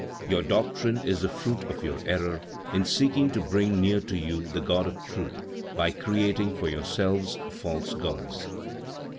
"Your doctrine is the fruit of your error in seeking to bring near to you the God of Truth, by creating for yourselves false gods."